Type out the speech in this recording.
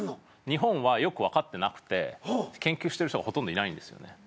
日本はよく分かってなくて研究してる人がほとんどいないんですよね。